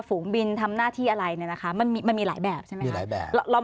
ฝูงบินทำหน้าที่อะไรเนี่ยนะคะมันมีหลายแบบใช่ไหมคะหลายแบบเรา